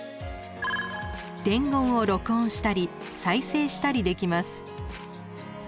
伝言を録音したり再生したりできます。